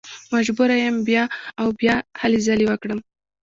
مجبوره یم بیا او بیا هلې ځلې وکړم.